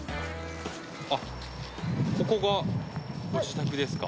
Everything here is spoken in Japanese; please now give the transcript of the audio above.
あっここがご自宅ですか？